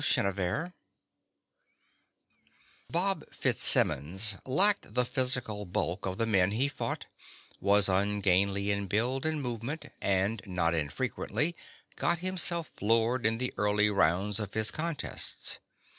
THE ANSWER Bob Fitzsimmons lacked the physical bulk of the men he fought, was ungainly in build and movement, and not infrequently got himself floored in the early rounds of his contests.